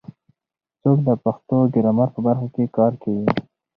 څوک د پښتو ګرامر په برخه کې کار کوي؟